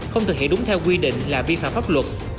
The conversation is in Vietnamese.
không thực hiện đúng theo quy định là vi phạm pháp luật